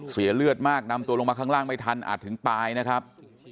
เสียเลือดมากนำตัวลงมาข้างล่างไม่ทันอาจถึงตายนะครับ